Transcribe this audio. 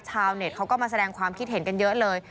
เน็ตเขาก็มาแสดงความคิดเห็นกันเยอะเลย